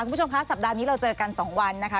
คุณผู้ชมคะสัปดาห์นี้เราเจอกัน๒วันนะคะ